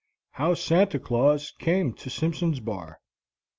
HOW SANTA CLAUS CAME TO SIMPSON'S BAR.